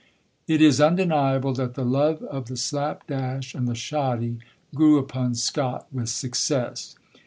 "It is undeniable that the love of the slap dash and the shoddy grew upon Scott with success."